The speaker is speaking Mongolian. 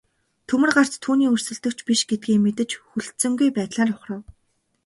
Төмөр гарт түүний өрсөлдөгч биш гэдгээ мэдэж хүлцэнгүй байдалтай ухрав.